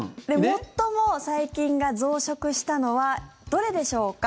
最も細菌が増殖したのはどれでしょうか？